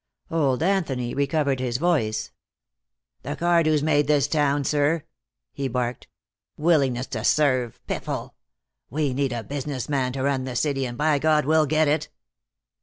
Old Anthony recovered his voice. "The Cardews made this town, sir," he barked. "Willingness to serve, piffle! We need a business man to run the city, and by God, we'll get it!"